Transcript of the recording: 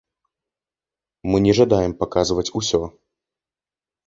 Мы не жадаем паказваць усё.